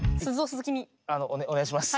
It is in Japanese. あのお願いします。